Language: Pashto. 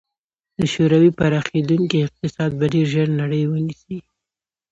د شوروي پراخېدونکی اقتصاد به ډېر ژر نړۍ ونیسي.